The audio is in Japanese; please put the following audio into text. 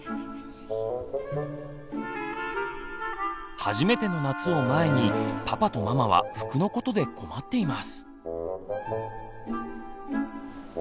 初めての夏を前にパパとママは服のことで困っています。